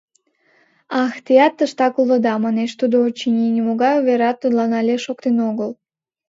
— Ах, теат тыштак улыда, — манеш тудо, очыни, нимогай уверат тудлан але шоктен огыл.